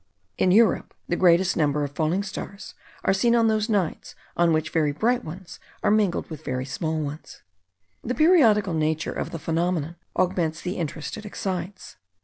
In Europe, the greatest number of falling stars are seen on those nights on which very bright ones are mingled with very small ones. The periodical nature of the phenomenon augments the interest it excites.